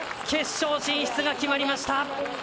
決勝進出が決まりました。